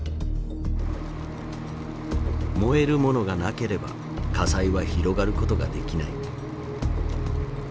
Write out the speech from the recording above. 燃えるものがなければ火災は広がることができない。